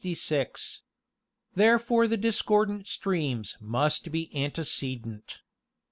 Therefore the discordant streams must be antecedent.